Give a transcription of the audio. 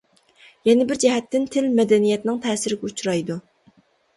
يەنە بىر جەھەتتىن تىل مەدەنىيەتنىڭ تەسىرىگە ئۇچرايدۇ.